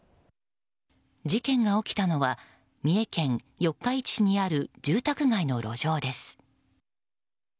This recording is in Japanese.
事件が起きたのは三重県四日市市にある住宅街の路上です。